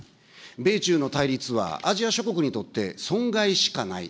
米中の対立は、アジア諸国にとって損害しかない。